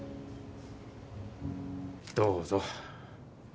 どうぞ。